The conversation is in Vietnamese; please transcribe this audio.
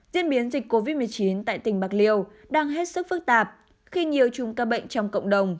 diễn biến dịch covid một mươi chín tại tỉnh bạc liêu đang hết sức phức tạp khi nhiều chùm ca bệnh trong cộng đồng